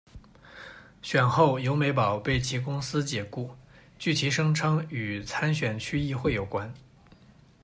选后游美宝被其公司解雇，据其声称与参选区议会有关。